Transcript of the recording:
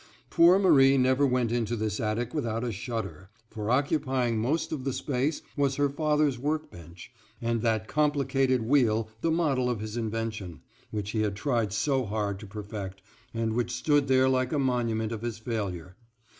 Poor Marie never went into this attic without a shudder, for occupying most of the space was her father's work bench, and that complicated wheel, the model of his invention, which he had tried so hard to perfect, and which stood there like a monument of his failure.